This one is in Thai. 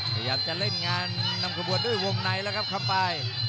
พยายามจะเล่นงานนำกระบวนด้วยวงในแล้วครับคำปลาย